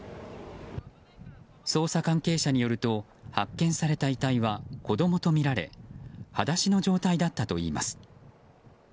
捜査関係者によると発見された遺体は子供とみられはだしの状態だったといいます。